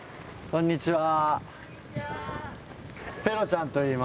こんにちは。